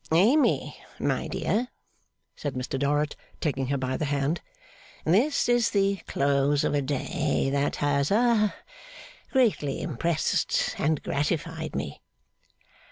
'Amy, my dear,' said Mr Dorrit, taking her by the hand, 'this is the close of a day, that has ha greatly impressed and gratified me.